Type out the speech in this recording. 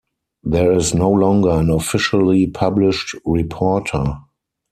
There is no longer an officially published reporter.